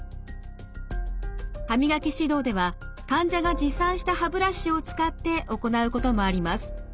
歯磨き指導では患者が持参した歯ブラシを使って行うこともあります。